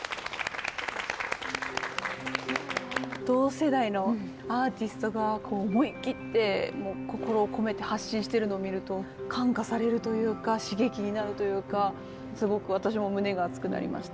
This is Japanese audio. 同世代のアーティストが思い切って心を込めて発信してるのを見ると感化されるというか刺激になるというかすごく私も胸が熱くなりました。